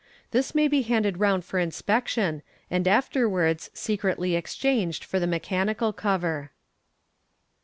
This may be handed round for inspection, and afterwards secretly exchanged for the mechanicj? cover.